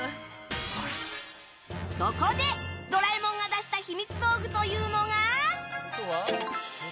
そこで、ドラえもんが出したひみつ道具というのが。